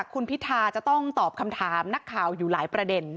คุณพิธาจะต้องตอบคำถามนักข่าวอยู่หลายประเด็น